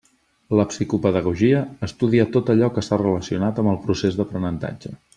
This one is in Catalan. La psicopedagogia estudia tot allò que s'ha relacionat amb el procés d'aprenentatge.